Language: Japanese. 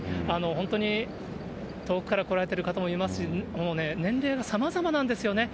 本当に遠くから来られてる方もいますし、年齢が様々なんですよね。